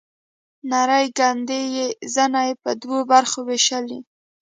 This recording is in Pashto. نرۍ کندې يې زنه په دوو برخو وېشلې.